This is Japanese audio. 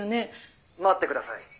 「待ってください。